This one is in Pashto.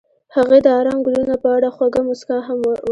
هغې د آرام ګلونه په اړه خوږه موسکا هم وکړه.